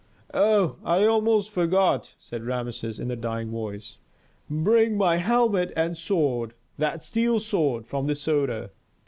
"Oh, I almost forgot," said Rameses in a dying voice. "Bring my helmet and sword that steel sword from the Soda